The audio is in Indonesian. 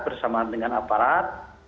bersama dengan aparat